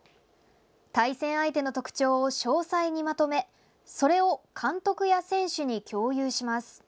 対戦相手の特徴を詳細にまとめそれを監督や選手に共有します。